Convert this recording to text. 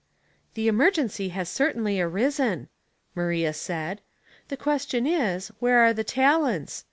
" The emergency has certainly arisen," Maria said. *' The question is, where are the talents?